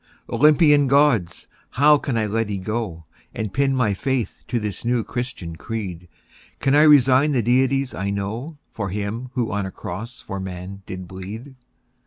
Olympian Gods! how can I let ye go And pin my faith to this new Christian creed? Can I resign the deities I know For him who on a cross for man did bleed?